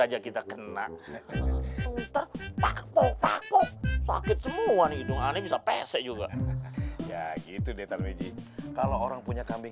aja kita kena takut takut sakit semua nih dong bisa pese juga ya gitu kalau orang punya kambing